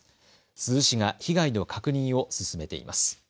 珠洲市が被害の確認を進めています。